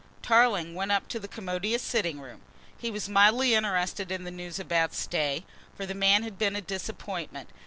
Tarling went up to the commodious sitting room. He was mildly interested in the news about Stay, for the man had been a disappointment.